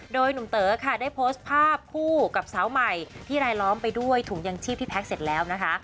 โดยหนุ่มเต๋อค่ะได้โพสต์ภาพคู่กับสาวใหม่ที่รายล้อมไปด้วยถุงยังชีพที่แพ็คเสร็จแล้วนะคะ